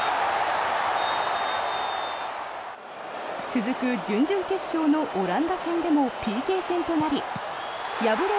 続く、準々決勝のオランダ戦でもＰＫ戦となり敗れ